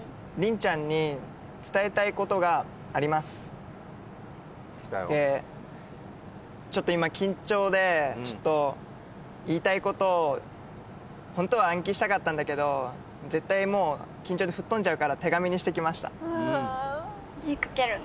ありがとううんでちょっと今緊張でちょっと言いたいことをホントは暗記したかったんだけど絶対もう緊張でふっ飛んじゃうから手紙にしてきました字書けるの？